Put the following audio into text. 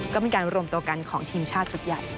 ก็มีการรวมตัวกันของทีมชาติชุดใหญ่